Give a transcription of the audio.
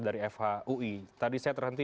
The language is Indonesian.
dari fhui tadi saya terhenti